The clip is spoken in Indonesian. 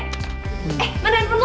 eh mana handphone lu